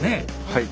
はい。